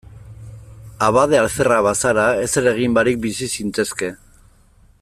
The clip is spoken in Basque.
Abade alferra bazara, ezer egin barik bizi zintezke.